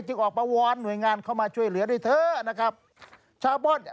ออกมาวอนหน่วยงานเข้ามาช่วยเหลือด้วยเถอะนะครับชาวบ้าน